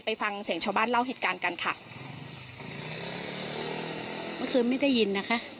ไปฟังเสียงชาวบ้านเล่าเหตุการณ์กันค่ะเมื่อคืนไม่ได้ยินนะคะ